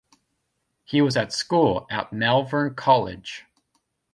He was at school at Malvern College.